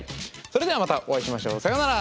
それではまたお会いしましょう。さようなら！